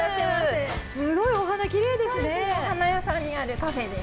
すごいお花きれいですね。